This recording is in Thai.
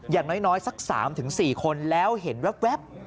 อย่างน้อยสัก๓๔คนแล้วเห็นแว๊บ